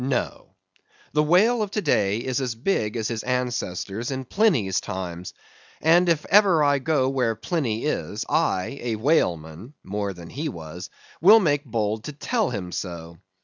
No. The whale of to day is as big as his ancestors in Pliny's time. And if ever I go where Pliny is, I, a whaleman (more than he was), will make bold to tell him so.